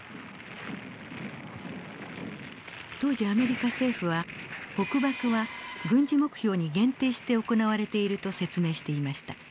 当時アメリカ政府は北爆は軍事目標に限定して行われていると説明していました。